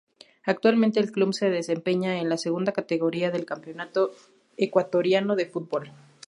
Actualmente El Club se desempeña en la Segunda Categoría del Campeonato Ecuatoriano de Fútbol.